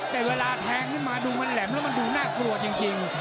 แต่เวลาแทงขึ้นมาดูมันแหลมแล้วมันดูน่ากลัวจริง